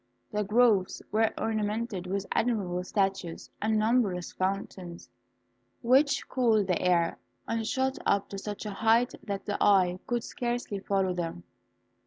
The groves were ornamented with admirable statues and numberless fountains, which cooled the air, and shot up to such a height that the eye could scarcely follow them.